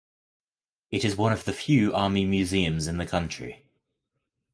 It is one of the few Army Museums in the country.